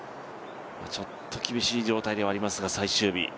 ちょっと厳しい状態ではありますが、最終日。